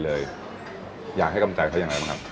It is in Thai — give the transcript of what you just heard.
อยากให้กำลังใจเขาอย่างไรบ้างครับ